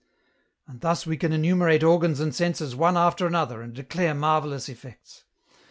" And thus we can enumerate organs and senses one after another, and declare marvellous effects.